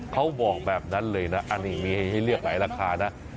เขาบอกแบบนั้นเลยนะอันนี้มีให้เลือกหลายราคานะ